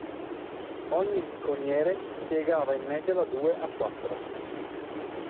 Ogni picconiere impiegava in media da due a quattro.